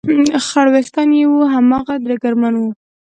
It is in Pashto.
خړ وېښتان یې و، هماغه ډګرمن و.